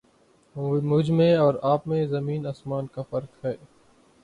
مجھ میں اور آپ میں زمیں آسمان کا فرق ہے